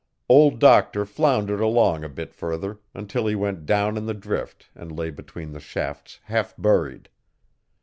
Old Doctor floundered along a bit further until he went down in the drift and lay between the shafts half buried.